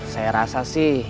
saya rasa sih